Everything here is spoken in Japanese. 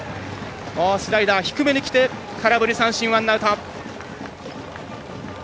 スライダー低めにきて空振り三振、ワンアウト。